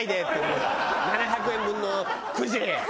７００円分のクジ。